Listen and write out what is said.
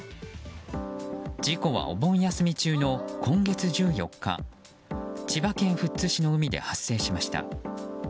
事故はお盆休み中の今月１４日千葉県富津市の海で発生しました。